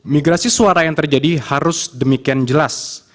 migrasi suara yang terjadi harus demikian jelas